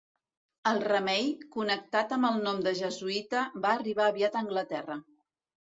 El remei, connectat amb el nom de jesuïta, va arribar aviat a Anglaterra.